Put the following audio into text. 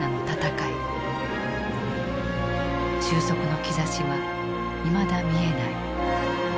終息の兆しはいまだ見えない。